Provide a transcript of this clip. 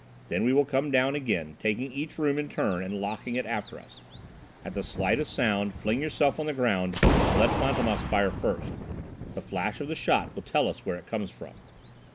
Then we will come down again, taking each room in turn and locking it after us. At the slightest sound fling yourself on the ground and let Fantômas fire first; the flash of the shot will tell us where it comes from."